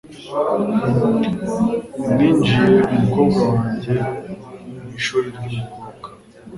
Ninjiye umukobwa wanjye mwishuri ryumukobwa.